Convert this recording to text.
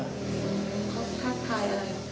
เขาทักทายเลย